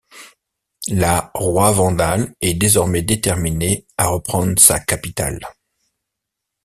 La roi vandale est désormais déterminé à reprendre sa capitale.